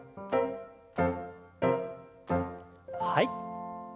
はい。